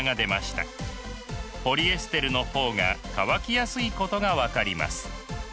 ポリエステルの方が乾きやすいことが分かります。